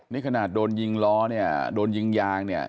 นี่ขนาดโดนยิงล้อเนี่ยโดนยิงยางเนี่ย